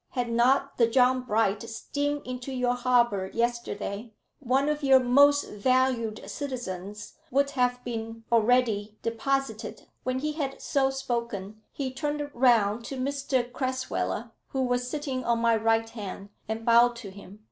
Had not the John Bright steamed into your harbour yesterday, one of your most valued citizens would have been already deposited." When he had so spoken, he turned round to Mr Crasweller, who was sitting on my right hand, and bowed to him.